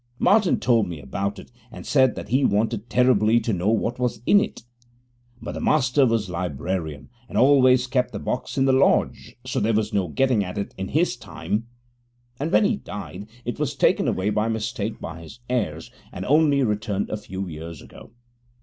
Martin told me about it, and said that he wanted terribly to know what was in it; but the Master was librarian, and always kept the box in the lodge, so there was no getting at it in his time, and when he died it was taken away by mistake by his heirs, and only returned a few years ago.